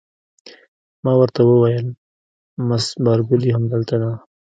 ما ورته وویل: مس بارکلي همدلته ده؟